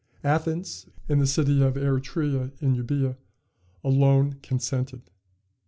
Athens, and the city of Eretria in Euboea, alone consented.